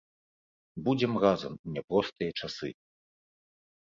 Будзем разам у няпростыя часы!